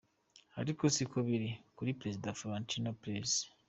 Ariko si ko biri kuri prezida Florentino Perez.